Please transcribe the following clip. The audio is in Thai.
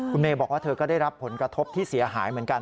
คุณเมย์บอกว่าเธอก็ได้รับผลกระทบที่เสียหายเหมือนกัน